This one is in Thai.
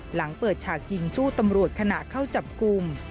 หลังเปิดฉากยิงสู้ตำรวจขณะเข้าจับกลุ่ม